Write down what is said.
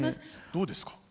どうですか？